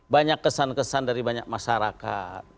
banyak kesan kesan dari banyak masyarakat